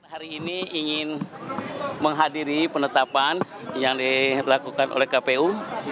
hari ini ingin menghadiri penetapan yang dilakukan oleh kpu